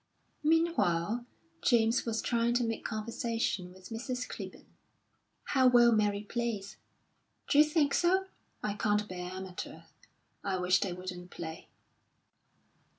Meanwhile, James was trying to make conversation with Mrs. Clibborn. "How well Mary plays!" "D'you think so? I can't bear amateurs. I wish they wouldn't play."